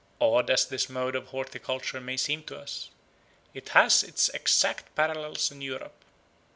Odd as this mode of horticulture may seem to us, it has its exact parallels in Europe.